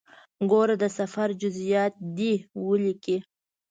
ګوره د سفر جزئیات دې ولیکې.